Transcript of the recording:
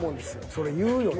それ言うよな。